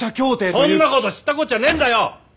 そんなこと知ったこっちゃねえんだよ。